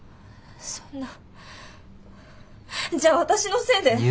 そんなじゃあ私のせいで。